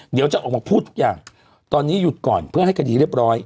เดี๋ยวจะออกมาพูดทุกอย่างตอนนี้หยุดก่อนเพื่อให้คดีเรียบร้อย